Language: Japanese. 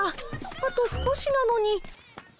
あと少しなのに。